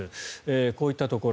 こういったところ。